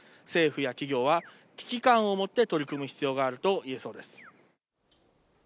政府や企業は危機感を持って取り組む必要があると言えそうです。